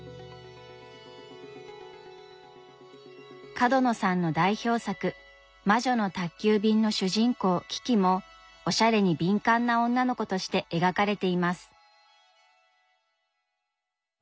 角野さんの代表作「魔女の宅急便」の主人公キキもおしゃれに敏感な女の子として描かれています。